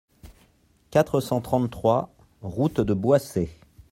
quatre cent trente-trois route de Boissey